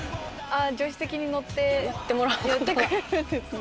助手席に乗ってやってくれるんですね。